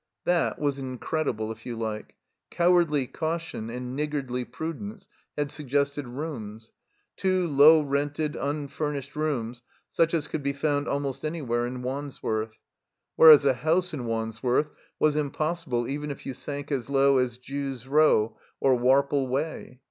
That was incredible, if you like. Cowardly cau tion and niggardly prudence had suggested rooms; two low rented, unfurnished rooms such as could be found almost anywhere in Wandsworth; whereas a house in Wandsworth was impossible even if you sank as low as Jew's Row or Warple Way.